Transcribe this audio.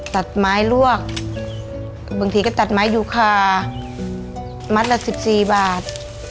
ตัดไม้ลวกบางทีก็ตัดไม้ยูคามัดละ๑๔บาท